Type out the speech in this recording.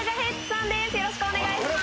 よろしくお願いします。